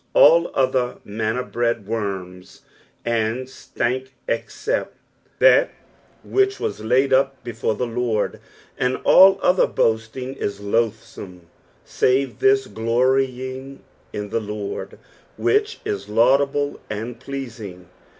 All other manna bred worms and stank except that which was laid up before the Lord, aud all other boasting is loathsome save this glorying in the Lord, which is laudable and pleasing.